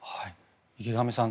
池上さん